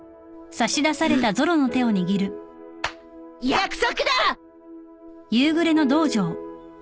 約束だ！